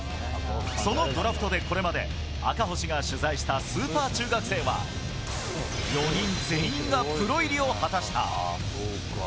そのドラフトでこれまで赤星が取材したスーパー中学生は４人全員がプロ入りを果たした。